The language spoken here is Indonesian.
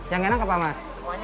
yang enak apa mas